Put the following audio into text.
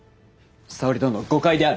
沙織殿誤解である。